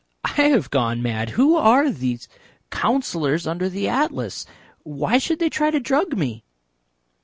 I have gone mad.... Who are those Councillors under the Atlas? Why should they try to drug me?"